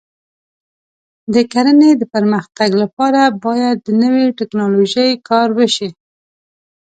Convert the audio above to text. د کرنې د پرمختګ لپاره باید د نوې ټکنالوژۍ کار وشي.